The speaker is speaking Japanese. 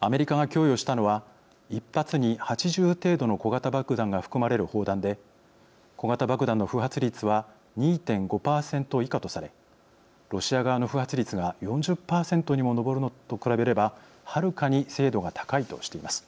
アメリカが供与したのは１発に８０程度の小型爆弾が含まれる砲弾で小型爆弾の不発率は２．５％以下とされロシア側の不発率が４０％にも上るのと比べればはるかに精度が高いとしています。